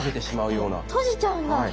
閉じちゃうんだ。